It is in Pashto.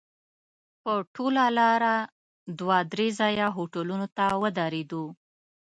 په ټوله لاره دوه درې ځایه هوټلونو ته ودرېدو.